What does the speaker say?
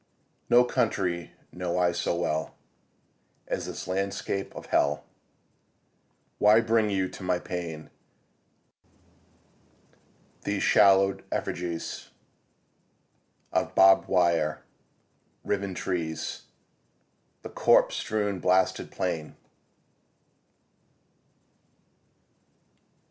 No country know I so well as this landscape of hell. Why bring you to my pain these shadow'd effigys Of barb'd wire, riven trees, the corpse strewn blasted plain?